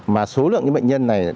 mà số lượng bệnh nhân này